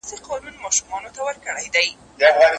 سل یې نوري ورسره وې سهیلیاني